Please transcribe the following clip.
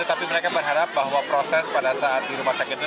tapi mereka berharap bahwa proses pada saat di rumah sakit itu